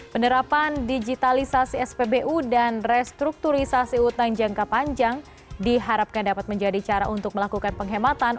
penerapan digitalisasi spbu dan restrukturisasi utang jangka panjang diharapkan dapat menjadi cara untuk melakukan penghematan